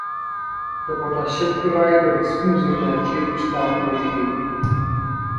د پوتاشیم کلورایډ او د سپینو زور نایتریت تعامل ولیکئ.